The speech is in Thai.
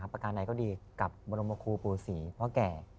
ประการใดก็ดีกับบรมครูปู่ศรีพ่อแก่